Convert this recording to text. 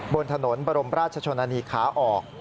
บนถนนบรมราชชนนานีขาออก